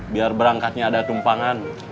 biar berangkatnya ada tumpangan